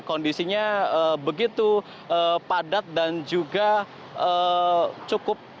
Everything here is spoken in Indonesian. kondisinya begitu padat dan juga cukup